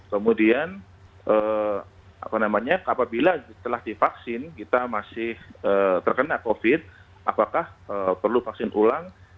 kemudian apabila telah divaksin kita masih terkena covid apakah perlu vaksin ulang